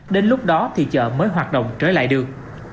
đến lúc đó thì chợ mới hoạt động trở lại được